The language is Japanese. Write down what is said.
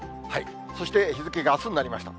そして日付があすになりました。